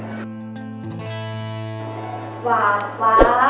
kamu juga suka sama dia